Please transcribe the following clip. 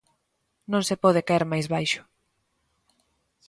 Non se pode caer máis baixo.